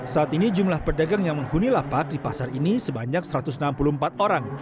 saat ini jumlah pedagang yang menghuni lapak di pasar ini sebanyak satu ratus enam puluh empat orang